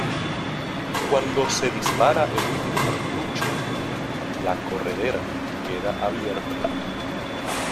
Cuando se dispara el último cartucho, la corredera queda abierta.